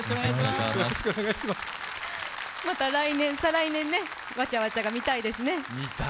また来年、再来年、わちゃわちゃが見たいですね。